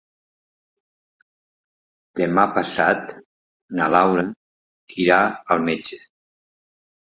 Demà passat na Laura irà al metge.